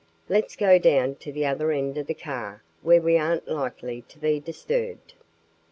Let's go down to the other end of the car where we aren't likely to be disturbed."